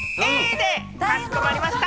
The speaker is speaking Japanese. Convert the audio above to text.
かしこまりました。